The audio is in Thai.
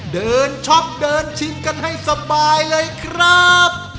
ช็อปเดินชิมกันให้สบายเลยครับ